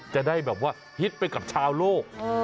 จะได้ฮิตไปกับชาวโลก